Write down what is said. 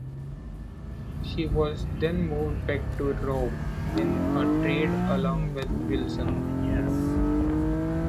She was then moved back to "Raw" in a trade along with Wilson.